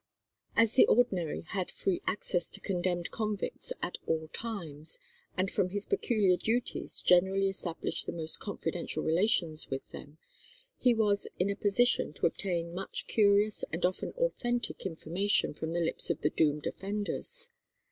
As the ordinary had free access to condemned convicts at all times, and from his peculiar duties generally established the most confidential relations with them, he was in a position to obtain much curious and often authentic information from the lips of the doomed offenders.